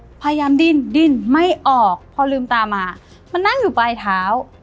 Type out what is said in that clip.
พยายามดิ้นดิ้นไม่ออกพอลืมตามามันนั่งอยู่ปลายเท้า